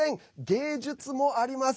芸術もあります。